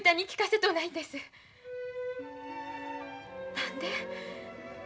何で。